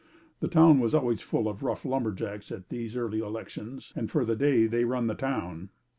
The town was always full of rough lumberjacks at these early elections and for the day they run the town.